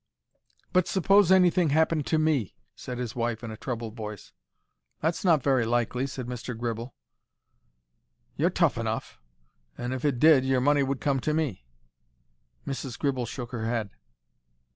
"But suppose anything happened to me," said his wife, in a troubled voice. "That's not very likely," said Mr. Gribble. "You're tough enough. And if it did your money would come to me." Mrs. Gribble shook her head.